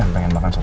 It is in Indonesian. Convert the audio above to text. ada nall ada dau